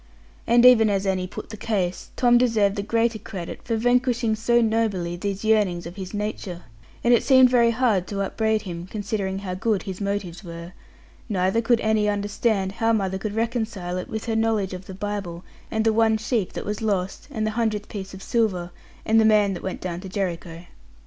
And even as Annie put the case, Tom deserved the greater credit for vanquishing so nobly these yearnings of his nature; and it seemed very hard to upbraid him, considering how good his motives were; neither could Annie understand how mother could reconcile it with her knowledge of the Bible, and the one sheep that was lost, and the hundredth piece of silver, and the man that went down to Jericho.